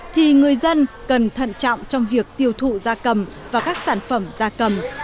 thì người dân cần thận trọng trong việc tiêu thụ gia cầm và các sản phẩm gia cầm